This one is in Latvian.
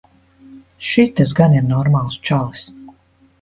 Šitas gan ir normāls čalis.